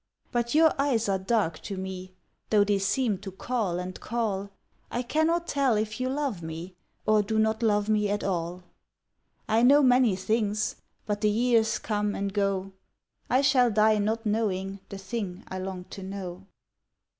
But your eyes are dark to me Though they seem to call and call I cannot tell if you love me Or do not love me at all. I know many things, But the years come and go, I shall die not knowing The thing I long to know.